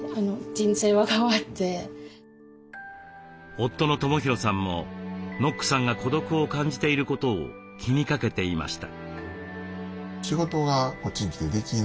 夫の智弘さんもノックさんが孤独を感じていることを気にかけていました。